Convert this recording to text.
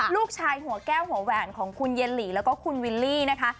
หัวแก้วหัวแหวนของคุณเย็นหลีแล้วก็คุณวิลลี่นะคะ